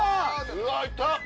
うわいった！